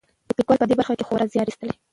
لیکوال په دې برخه کې خورا زیار ایستلی.